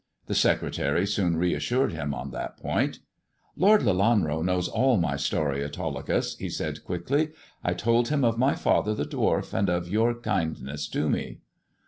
The secretary soon reassured him on that point. " Lord Lelanro knows all my story, Autolycus," he said quickly. " I told him of my father, the dwarf, and of your kindness to me."